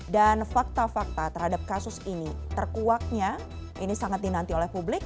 dan fakta fakta terhadap kasus ini terkuaknya ini sangat dinanti oleh publik